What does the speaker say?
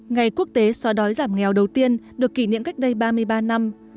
ngày quốc tế xóa đói giảm nghèo đầu tiên được kỷ niệm cách đây ba mươi ba năm